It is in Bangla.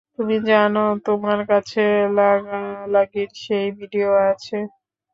তুমি জানো, তোমার কাছে লাগালাগির সেই ভিডিও আছে।